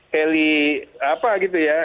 heli apa gitu ya